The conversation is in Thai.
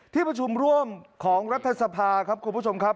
ที่ประชุมร่วมของรัฐสภาครับคุณผู้ชมครับ